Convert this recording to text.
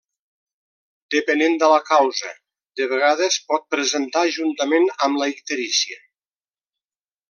Depenent de la causa, de vegades pot presentar juntament amb la icterícia.